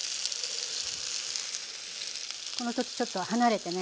この時ちょっと離れてね。